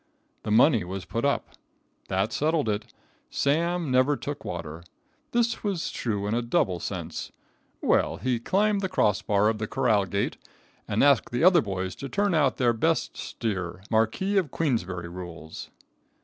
The money was put up. That settled it. Sam never took water. This was true in a double sense. Well, he climbed the cross bar of the corral gate, and asked the other boys to turn out their best steer, Marquis of Queensbury rules.